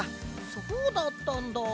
そうだったんだ。